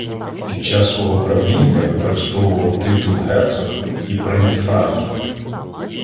Під час свого правління використовував титул герцог і принц франків.